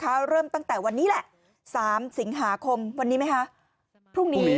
เริ่มตั้งแต่วันนี้แหละ๓สิงหาคมวันนี้ไหมคะพรุ่งนี้